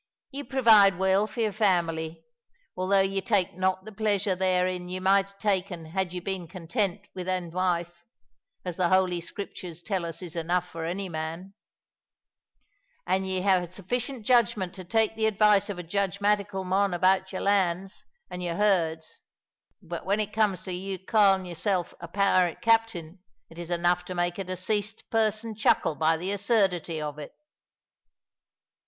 Ye provide weel for your family, although ye tak' no' the pleasure therein ye might hae ta'en had ye been content wi' ane wife, as the Holy Scriptures tell us is enough for ony mon, an' ye hae sufficient judgment to tak' the advice o' a judgmatical mon about your lands an' your herds; but when it comes to your ca'in' yoursel' a pirate captain, it is enough to make a deceased person chuckle by the absurdity o' it."